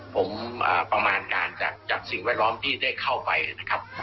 ผมประมาณการจากสิ่งแวดล้อมที่ได้เข้าไปนะครับ